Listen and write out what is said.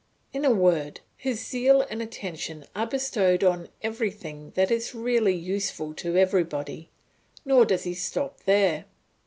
In a word, his zeal and attention are bestowed on everything that is really useful to everybody; nor does he stop there.